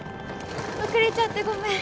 遅れちゃってごめん。